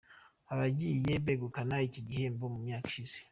Abagiye begukana iki gihembo mu myaka ishize:.